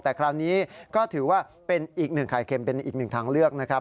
แต่คราวนี้ก็ถือว่าเป็นอีกหนึ่งไข่เค็มเป็นอีกหนึ่งทางเลือกนะครับ